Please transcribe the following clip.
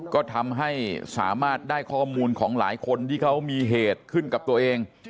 ก็ทำให้สามารถได้ข้อมูลของหลายคนที่เขามีเหตุขึ้นกับตัวเอง